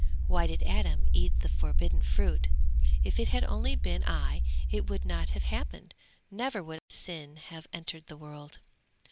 Why did Adam eat the forbidden fruit? If it had only been I it would not have happened! never would sin have entered the world!'